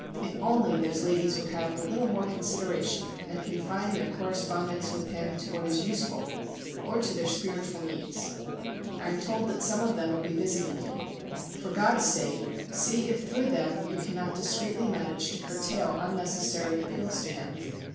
If only those ladies would have a little more consideration and confine their correspondence with him to what is useful, or to their spiritual needs! I am told that some of them will be visiting you. For God's sake see if through them you cannot discretely manage to curtail unnecessary appeals to him.